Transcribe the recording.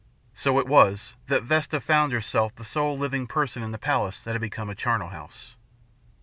So it was that Vesta found herself the sole living person in the palace that had become a charnel house.